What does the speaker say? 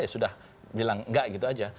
ya sudah bilang enggak gitu aja